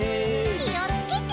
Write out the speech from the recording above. きをつけて。